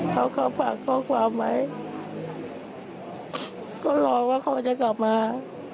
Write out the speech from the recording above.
เขาก็ฝากข้อความไว้ก็รอว่าเขาจะกลับมา